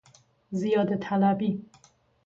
زیاده طلبی